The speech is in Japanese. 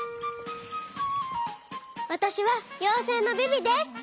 わたしはようせいのビビです！